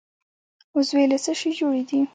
عضوې له څه شي جوړې دي؟